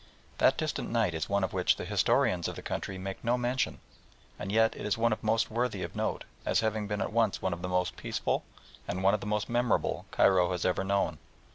That distant night is one of which the historians of the country make no mention, and yet it is one most worthy of note, as having been at once one of the most peaceful and one of the most memorable Cairo has ever known.